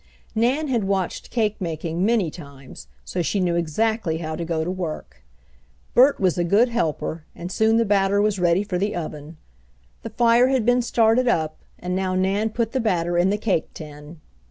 Nan had watched cake making many times, so she knew exactly how to go to work. Bert was a good helper, and soon the batter was ready for the oven. The fire had been started up, and now Nan put the batter in the cake tin.